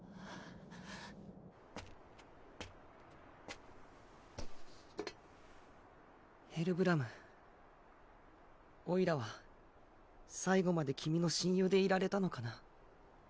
・ザッザッザッヘルブラムおいらは最後まで君の親友でいられたのかな。